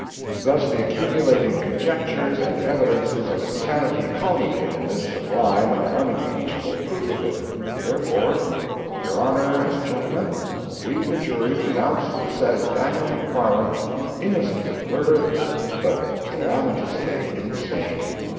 Thus the accumulating conjectures and evidences of insanity culminate in this sublime and unimpeachable proof of it. Therefore "Your Honor and Gentlemen We the jury pronounce the said Daniel McFarland INNOCENT OF MURDER, BUT CALAMITOUSLY INSANE."